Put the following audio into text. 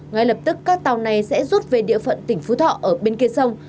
ngay lập tức các tàu này sẽ rút về địa phận tỉnh phú thọ ở bên kia sông